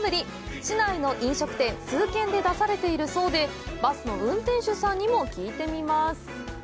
市内の飲食店数軒で出されているそうでバスの運転手さんにも聞いてみます。